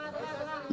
kiri atas sekali lagi